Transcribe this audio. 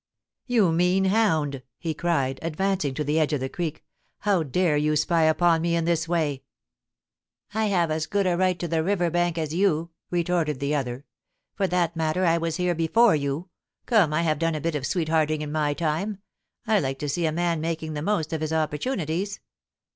' You mean hound !* he cried, advancing to the edge of the creek ;* how dare you spy upon me in this way !'* I have as good a right to the river bank as you,' retorted the other. * For that matter, I was here before you. Come, I have done a bit of sweethearting in my time. I like to see a man making the most of his opportunities.